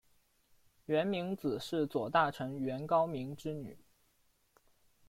源明子是左大臣源高明之女。